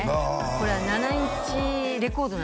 これは７インチレコードなんです